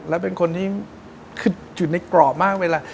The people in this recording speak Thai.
แล้วเป็นคนที่คืออยู่ในกรอบมากเวลา